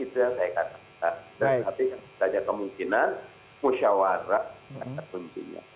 tapi tanya kemungkinan musyawarah itu pentingnya